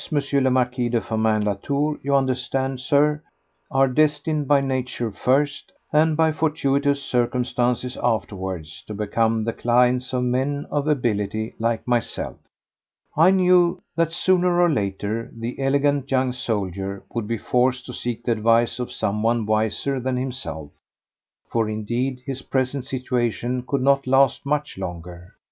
le Marquis de Firmin Latour, you understand, Sir, are destined by Nature first and by fortuitous circumstances afterwards to become the clients of men of ability like myself. I knew that sooner or later the elegant young soldier would be forced to seek the advice of someone wiser than himself, for indeed his present situation could not last much longer.